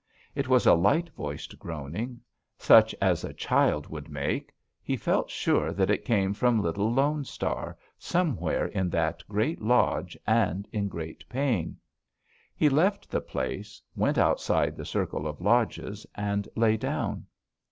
It was a light voiced groaning, such as a child would make; he felt sure that it came from little Lone Star, somewhere in that great lodge, and in great pain. He left the place, went outside the circle of lodges, and lay down.